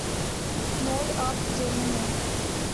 Note آپ کی جیب میں ہوں۔